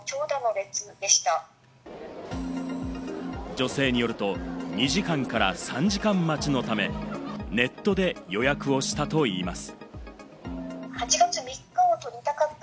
女性によると、２時間から３時間待ちのため、ネットで予約をしたといいます。